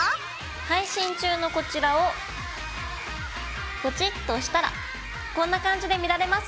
配信中のこちらをポチッと押したらこんな感じで見られますよ。